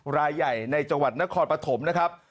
รายใหญ่ในจังหวัดนครปฐมนะครับ